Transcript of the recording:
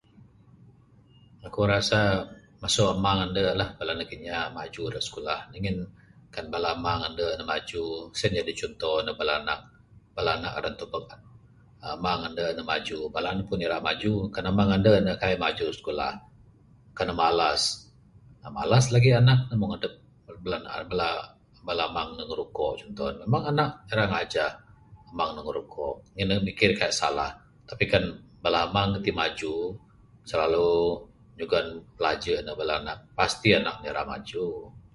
Akuk rasa masu amang andu lah bala anak kinya maju da skulah ngin kan bala amang andu ne maju, sien jadi cunto ndug bala anak. Bala anak ira ntubuk amang andu ne maju, bala ne pun irak maju. Kan amang andu ne kaik maju skulah, kan ne malas, uhh malas lagik anak ne, Mung adup uhh bala amang ne ngerukok cunto ne, memang anak ira ngajah. Amang ne ngerukok ngin ne mikir kaik salah. Tapi kan bala amang ne tik maju, slalu nyugan pilaju' ndug bala nak, pasti anak ne rak maju.